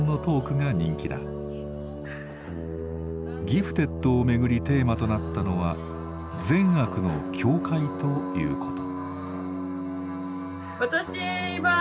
「ギフテッド」をめぐりテーマとなったのは「善悪の境界」ということ。